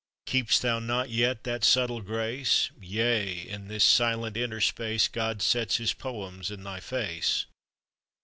Keep'st thou not yet that subtle grace? Yea, in this silent interspace, God sets His poems in thy face!